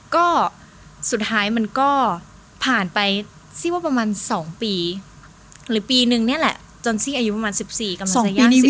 ก็สุดท้ายมันก็ผ่านไปซี่ว่าประมาณสองปีหรือปีนึงเนี่ยแหละจนซี่อายุประมาณสิบสี่กำลังจะย่างสิบห้า